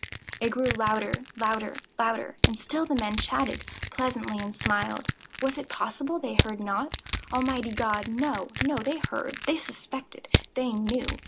It grew louder—louder—louder! And still the men chatted pleasantly, and smiled. Was it possible they heard not? Almighty God!—no, no! They heard!—they suspected!—they knew!